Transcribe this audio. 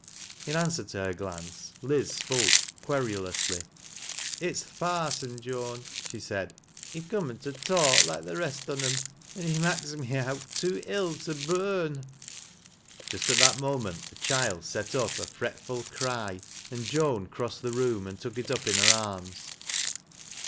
In answer tc her glarjce fiiz spoke quernlously. " It's th' parson, Joan," she said. " He comn to talk like th rest on 'em an' he maks me ont too ill to burn." Jnst xt that moment the child set up a fretful cry and loan crossed the room and took it up in her arms.